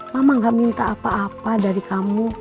mama gak minta apa apa dari kamu